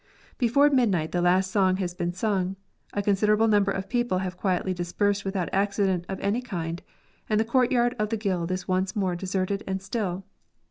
Before midnight the last song has been sung, a con siderable number of people have quietly dispersed without accident of any kind, and the courtyard of the guild is once more deserted and still.